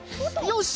よし！